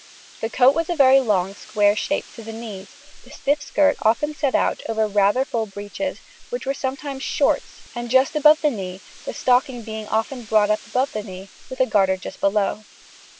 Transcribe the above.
The coat was a very long square shape to the knees, the stiff skirt often set out over rather full breeches, which were sometimes "shorts," and just above the knee, the stocking being often brought up above the knee, with a garter just below.